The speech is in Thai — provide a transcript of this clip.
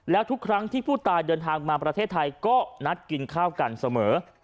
แล้วทุกครั้งที่ผู้ตายเดินทางมาประเทศไทยก็นัดกินข้าวกันเสมอ